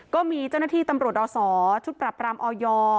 ก็มีเจ้าหน้าที่ตำรวจอศชุดปรับรามออย